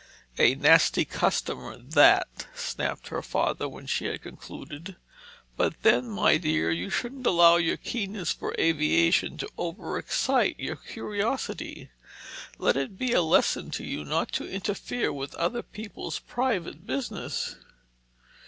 "A nasty customer—that!" snapped her father when she had concluded. "But then, my dear, you shouldn't allow your keenness for aviation to over excite your curiosity. Let it be a lesson to you not to interfere with other people's private business."